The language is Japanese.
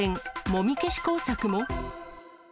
もみ消し工作も？